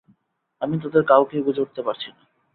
আমি তোদের কাউকেই বুঝে উঠতে পারছি না।